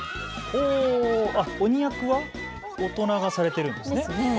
鬼役は大人がされてるんですね。